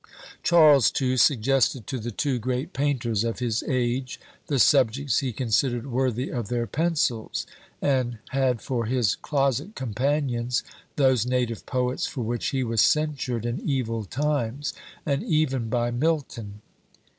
Charles, too, suggested to the two great painters of his age the subjects he considered worthy of their pencils; and had for his "closet companions" those native poets for which he was censured in "evil times," and even by Milton!